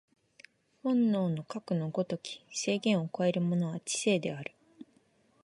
本能のかくの如き制限を超えるものは知性である。